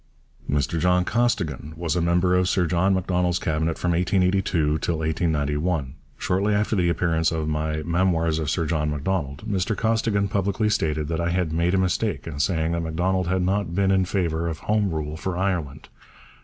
Mr John Costigan was a member of Sir John Macdonald's Cabinet from 1882 till 1891. Shortly after the appearance of my Memoirs of Sir John Macdonald, Mr Costigan publicly stated that I had made a mistake in saying that Macdonald had not been in favour of Home Rule for Ireland.